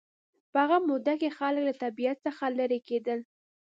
په هغه موده کې خلک له طبیعت څخه لېرې کېدل